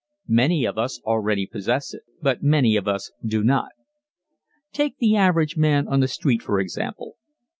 Many of us already possess it, but many of us do not. Take the average man on the street for example.